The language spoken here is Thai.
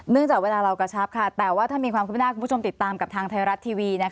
จากเวลาเรากระชับแต่ว่าถ้ามีความขึ้นหน้าคุณผู้ชมติดตามกับทางไทยรัฐทีวี